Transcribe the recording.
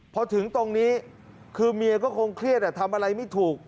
พอถึงตรงนี้คือเมียก็คงเครียดทำอะไรไม่ถูก